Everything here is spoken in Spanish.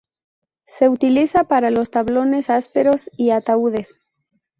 Se utiliza para los tablones ásperos y ataúdes.